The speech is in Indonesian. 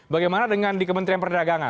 bagaimana dengan di kementerian perdagangan